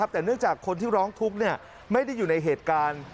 แต่เนื่องจากคนที่ร้องทุกข์ไม่ได้อยู่ในเหตุการณ์